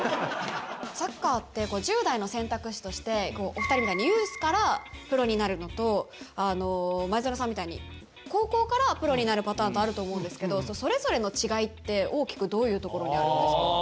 サッカーって１０代の選択肢としてお二人みたいにユースからプロになるのと前園さんみたいに高校からプロになるパターンとあると思うんですけどそれぞれの違いって大きくどういうところにあるんですか？